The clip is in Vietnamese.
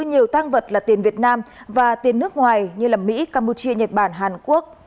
nhiều tăng vật là tiền việt nam và tiền nước ngoài như mỹ campuchia nhật bản hàn quốc